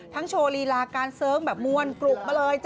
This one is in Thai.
ทั้งโชว์ฤาราการเสิร์ฟแบบมวนคลุกมาเลยจ้ะ